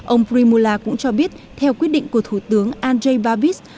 ông primula cũng cho biết theo quyết định của thủ tướng andrei babis